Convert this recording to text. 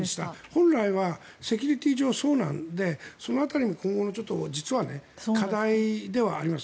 本来はセキュリティー上はそうなのでその辺りも今後の実は課題ではあります。